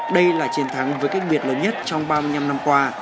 đây là chiến thắng với cách biệt lớn nhất trong ba mươi năm năm qua